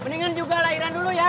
mendingan juga lahiran dulu ya